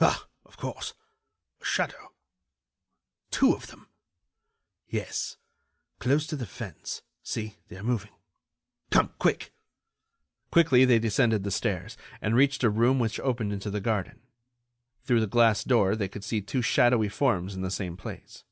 "Ah! of course, a shadow ... two of them." "Yes, close to the fence. See, they are moving. Come, quick!" Quickly they descended the stairs, and reached a room which opened into the garden. Through the glass door they could see the two shadowy forms in the same place.